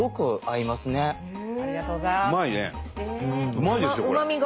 うまいですよこれ。